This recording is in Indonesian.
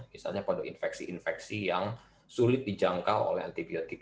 misalnya pada infeksi infeksi yang sulit dijangkau oleh antibiotik